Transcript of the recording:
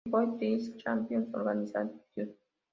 Enjoy This Championship Organization!